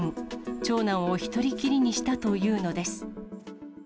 長男を１人きりにしたというのです。